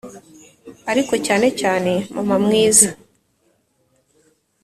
ariko cyane cyane, mama mwiza,